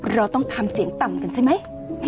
เราต้องทำเสียงต่ำกันใช่ไหม